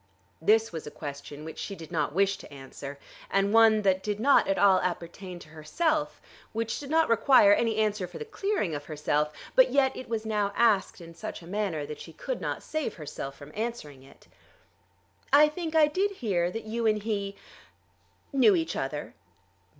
This was a question which she did not wish to answer, and one that did not at all appertain to herself which did not require any answer for the clearing of herself; but yet it was now asked in such a manner that she could not save herself from answering it. "I think I did hear that you and he knew each other."